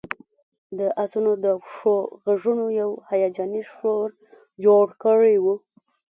د آسونو د پښو غږونو یو هیجاني شور جوړ کړی و